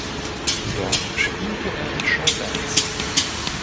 Dort spielte er in Show-Bands.